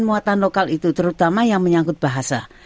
muatan lokal itu terutama yang menyangkut bahasa